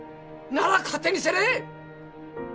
なら勝手にせんね！